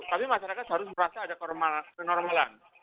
tapi masyarakat harus merasa ada kenormalan